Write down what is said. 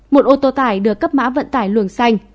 một ô tô tải được cấp mã vận tải luồng xanh